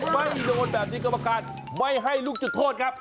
ไม่โดนแบบนี้กรรมการไม่ให้ลูกจุดโทษครับ